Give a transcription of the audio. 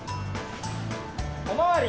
おまわり！